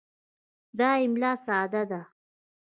دا املا ساده ده.